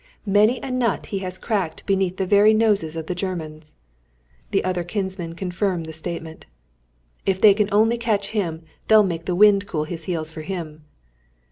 "Many a nut has he cracked beneath the very noses of the Germans." The other kinsman confirmed the statement. "If they can only catch him they'll make the wind cool his heels for him."